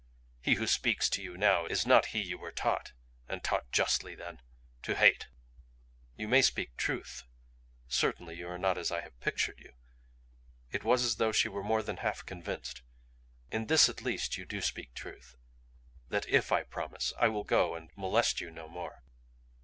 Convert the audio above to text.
He who speaks to you now is not he you were taught and taught justly then to hate." "You may speak truth! Certainly you are not as I have pictured you." It was as though she were more than half convinced. "In this at least you do speak truth that IF I promise I will go and molest you no more."